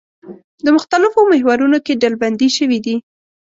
د مختلفو محورونو کې ډلبندي شوي دي.